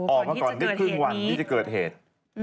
ออกมาก่อนได้ครึ่งวันที่จะเกิดเหตุ